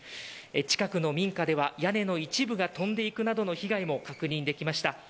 近くの民家では屋根の一部が飛んでいくなどの被害も確認できました。